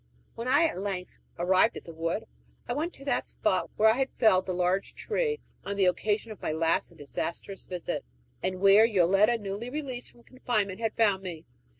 When I at length arrived at the wood, I went to that spot where I had felled the large tree on the occasion of my last and disastrous visit, and where Yoletta, newly released from confinement, had found me.